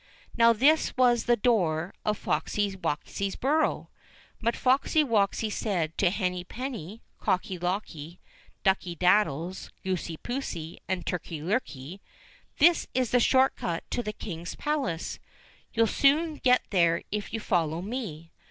Now this was the door of Foxy woxy's burrow. But Foxy woxy said to Henny penny, Cocky locky, Ducky daddies, Goosey poosey, and Turkey lurkey, "This is the short cut to the King's palace : you'll soon get there if you follow me.